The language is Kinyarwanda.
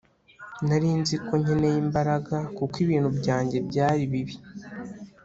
Nari nzi ko nkeneye imbaraga kuko ibintu byanjye byari bibi